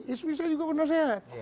ismi saya juga pernah sehat